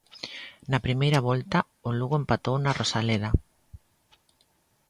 Na primeira volta, o Lugo empatou na Rosaleda.